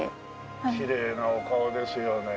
きれいなお顔ですよね。